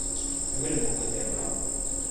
mi wile moku e telo wawa.